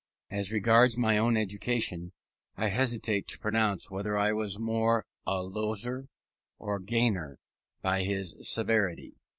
As regards my own education, I hesitate to pronounce whether I was more a loser or gainer by his severity.